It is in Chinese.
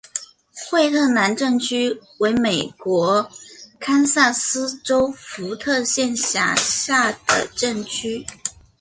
惠特兰镇区为美国堪萨斯州福特县辖下的镇区。